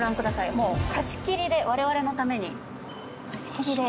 もう貸し切りで我々のために貸し切りで。